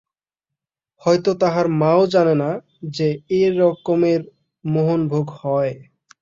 হয়তো তাহার মাও জানে না যে, এ রকমের মোহনভোগ হয়!